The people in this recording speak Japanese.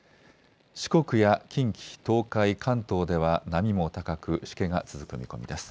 四国や近畿、東海、関東では波も高く、しけが続く見込みです。